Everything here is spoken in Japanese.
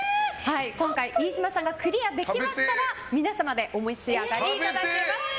今回飯島さんがクリアできましたら皆様でお召し上がりいただけます。